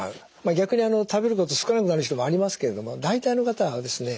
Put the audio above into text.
逆に食べること少なくなる人もありますけども大体の方がですね